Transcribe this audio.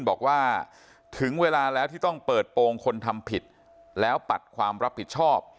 บอกว่าถึงเวลาแล้วที่ต้องเปิดโปรงคนทำผิดแล้วปัดความรับผิดชอบ